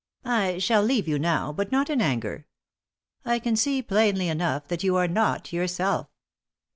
"I shall leave you now, but not in anger. I can see, plainly enough, that you are not yourself."